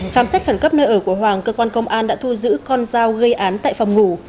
khám xét khẩn cấp nơi ở của hoàng cơ quan công an đã thu giữ con dao gây án tại phòng ngủ